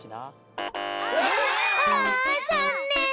あざんねん。